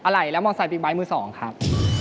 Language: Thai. อะไหลและมองซัยติ๊กไบท์มื้อ๒ครับ